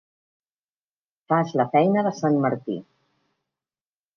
Fas la feina de sant Martí.